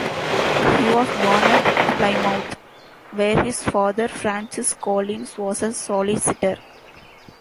He was born at Plymouth, where his father, Francis Collins, was a solicitor.